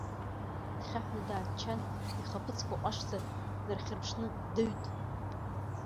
Дхьаҳәны дааччан, ихаԥыцқәа ҟәашӡа днархьырԥшны дыҩт.